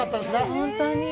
本当に。